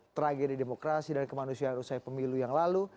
tragedi demokrasi dan kemanusiaan usai pemilu yang lalu